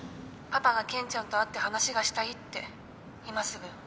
パパが健ちゃんと会って話がしたいって今すぐ。